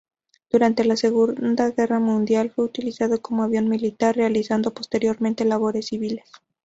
Durante la Segunda Guerra Mundial fue utilizado como avión militar, realizando posteriormente labores civiles.